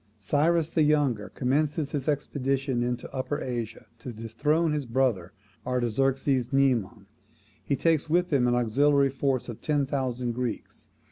Cyrus the Younger commences his expedition into Upper Asia to dethrone his brother Artaxerxes Mnemon. He takes with him an auxiliary force of ten thousand Greeks.